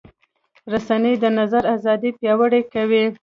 رسنۍ د نظر ازادي پیاوړې کوي.